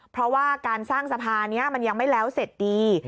เพราะว่าการสร้างสะพานนี้มันยังไม่แล้วเสร็จดี